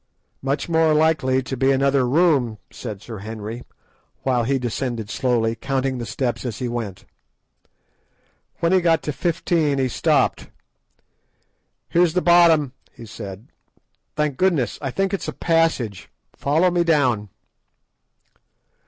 "Much more likely to be another room," said Sir Henry, while he descended slowly, counting the steps as he went. When he got to "fifteen" he stopped. "Here's the bottom," he said. "Thank goodness! I think it's a passage. Follow me down."